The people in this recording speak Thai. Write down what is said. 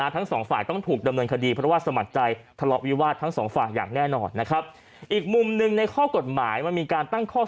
ทั้งสองฝั่งอย่างแน่นอนนะครับอีกมุมหนึ่งในข้อกฎหมายมันมีการตั้งข้อสังเกต